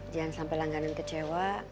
jangan sampai langganan kecewa